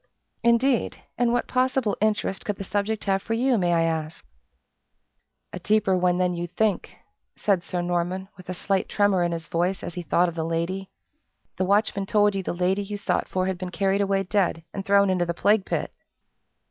"Indeed! and what possible interest could the subject have for you, may I ask?" "A deeper one than you think!" said Sir Norman, with a slight tremor in his voice as he thought of the lady, "the watchman told you the lady you sought for had been carried away dead, and thrown into the plague pit!"